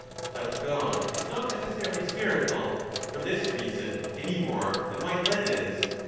But God is not neces 15 sarily spherical for this reason any more than white lead is.